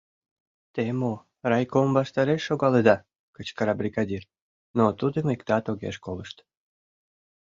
— Те мо, райком ваштареш шогалыда? — кычкыра бригадир, но тудым иктат огеш колышт.